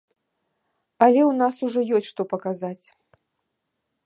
Але ў нас ужо ёсць, што паказаць.